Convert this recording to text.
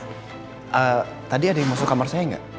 eee tadi ada yang masuk kamar saya gak